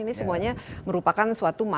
ini semuanya merupakan supply demand